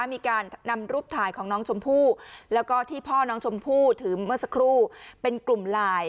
มีการนำรูปถ่ายของน้องชมพู่แล้วก็ที่พ่อน้องชมพู่ถือเมื่อสักครู่เป็นกลุ่มไลน์